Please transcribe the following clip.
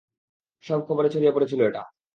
সব খবরে ছড়িয়ে পড়েছিল এটা।